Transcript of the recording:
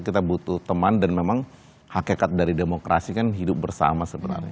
kita butuh teman dan memang hakikat dari demokrasi kan hidup bersama sebenarnya